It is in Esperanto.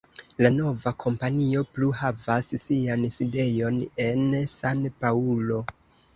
La nova kompanio plu havas sian sidejon en San-Paŭlo.